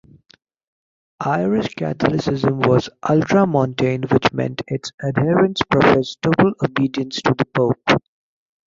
Irish Catholicism was "ultramontane", which meant its adherents professed total obedience to the Pope.